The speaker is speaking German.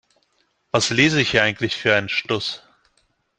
Was lese ich hier eigentlich für einen Stuss?